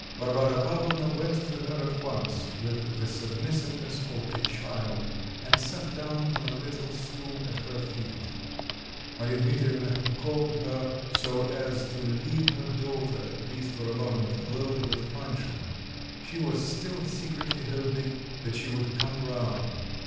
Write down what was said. Varvara Pavlovna went to her at once with the submissiveness of a child, and sat down on a little stool at her feet. Marya Dmitrievna had called her so as to leave her daughter, at least for a moment, alone with Panshin; she was still secretly hoping that she would come round.